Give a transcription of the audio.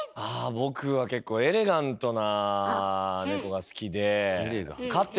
僕は結構エレガントな猫が好きでうわっ！